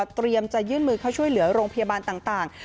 เตรียมจะยื่นมือเข้าช่วยเหลือโรงพยาบาลต่าง